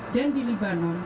dan di libanon